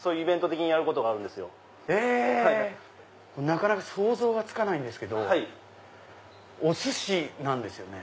なかなか想像はつかないんですけどおすしなんですよね。